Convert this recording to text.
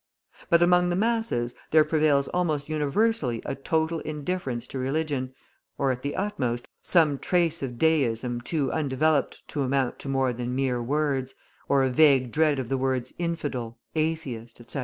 But among the masses there prevails almost universally a total indifference to religion, or at the utmost, some trace of Deism too undeveloped to amount to more than mere words, or a vague dread of the words infidel, atheist, etc.